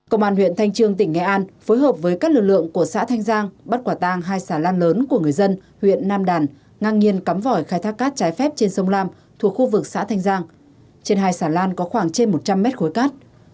công an huyện thanh trương tỉnh nghệ an phối hợp với các lực lượng của xã thanh giang bắt quả tang hai xà lan lớn của người dân huyện nam đàn ngang nhiên cắm vỏi khai thác cát trái phép trên sông lam thuộc khu vực xã thanh giang trên hai xà lan có khoảng trên một trăm linh mét khối cát